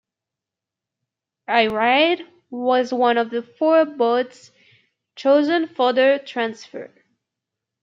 "Iride" was one of the four boats chosen for the transfer.